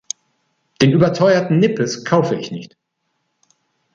Den überteuerten Nippes kaufe ich nicht.